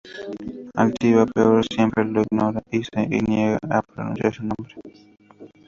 Altiva, peor, siempre lo ignora y se niega a pronunciar su nombre.